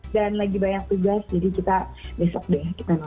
dan lagi banyak tugas jadi kita besok deh kita nonton